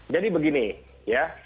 jadi begini ya